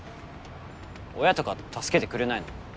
親とか助けてくれないの？